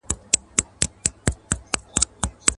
نه چا د پیر بابا له قبر سره !.